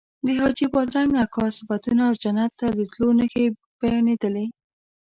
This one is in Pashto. د حاجي بادرنګ اکا صفتونه او جنت ته د تلو نښې بیانېدلې.